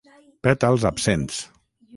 Pètals absents.